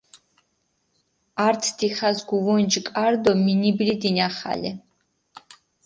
ართ დიხას გჷვონჯი კარი დო მინიბლი დინახალე.